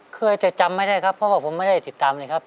เคยแต่จำไม่ได้ครับเพราะว่าผมไม่ได้ติดตามเลยครับ